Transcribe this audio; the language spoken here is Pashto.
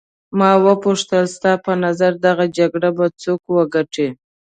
ما وپوښتل ستا په نظر دغه جګړه به څوک وګټي.